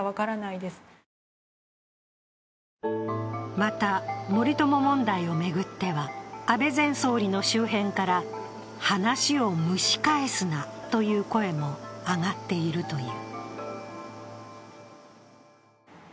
また森友問題を巡っては安倍前総理の周辺から話を蒸し返すなという声も上がっているという。